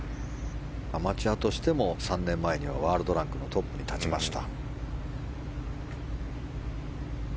アマチュアとしても３年前にはワールドランクのトップに立ちました。